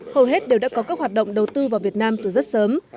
hầu hết đều đã có các hoạt động đầu tư vào việt nam từ rất sớm